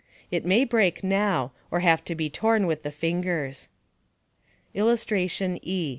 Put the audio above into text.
It may break now, or have to be torn with the fingers.] [Illustration: E.